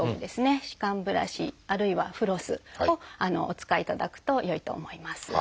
歯間ブラシあるいはフロスをお使いいただくとよいと思います。